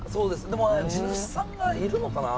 でも地主さんがいるのかな？